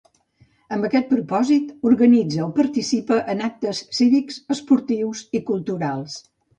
Amb aquest propòsit, organitza o participa en actes cívics, esportius i culturals.